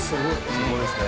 すごいですね。